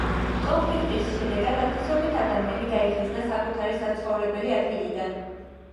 კონფლიქტის შედეგად ათასობით ადამიანი გაიხიზნა საკუთარი საცხოვრებელი ადგილებიდან.